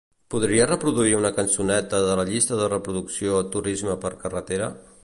Podries reproduir una cançoneta de la llista de reproducció "turisme per carretera"?